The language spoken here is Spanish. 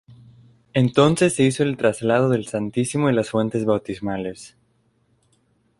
Entonces se hizo el traslado del Santísimo y las fuentes bautismales.